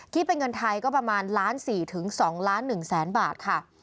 คิดเป็นเงินไทยก็ประมาณ๑๔๐๐๐๐๐ถึง๒๑๐๐๐๐๐บาทค่ะ